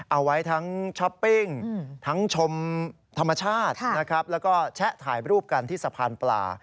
เอาไว้ทั้งช้อปปิ้งทั้งชมธรรมชาตินะครับแล้วก็แชะถ่ายรูปกันที่สะพานปลา